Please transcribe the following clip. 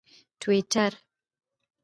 ټویټر